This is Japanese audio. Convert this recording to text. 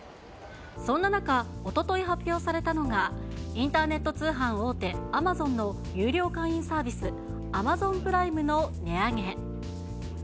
そんな中、おととい発表されたのが、インターネット通販大手、アマゾンの有料会員サービス、アマゾンプライムの値上げ。